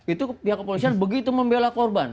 itu pihak kepolisian begitu membela korban